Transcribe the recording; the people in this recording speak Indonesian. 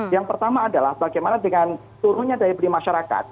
yang pertama adalah bagaimana dengan turunnya daya beli masyarakat